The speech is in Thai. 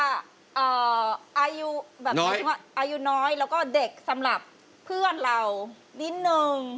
อายุน้อยและเด็กสำหรับเพื่อนเรานิดนึง